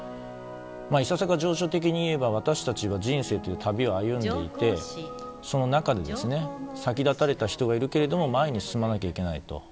いささか情緒的に言えば私たちは人生という旅を歩んでいてその中で先立たれた人がいるけれども前に進まなければいけないと。